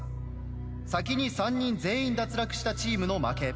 先に３人全員脱落したチームの負け。